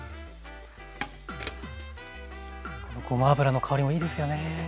ごま油の香りもいいですよね。